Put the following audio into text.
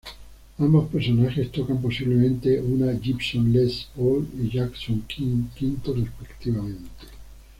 Ambos personajes tocan posiblemente una Gibson Les Paul y Jackson King V, respectivamente.